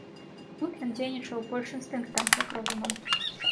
Тут ён дзейнічаў больш інстынктам, як розумам.